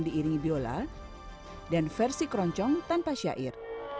diiringi biola dan versi keroncong tanpa syair